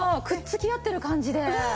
くっつき合ってる感じで。